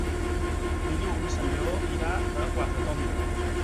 Dilluns en Lleó irà a Quatretonda.